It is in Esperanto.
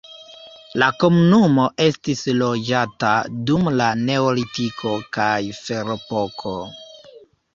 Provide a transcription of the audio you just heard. La komunumo estis loĝata dum la neolitiko kaj ferepoko.